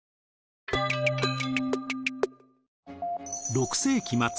６世紀末。